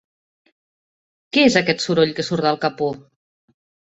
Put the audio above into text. Què és aquest soroll que surt del capó?